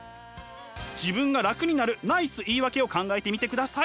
自分が楽になるナイス言い訳を考えてみてください。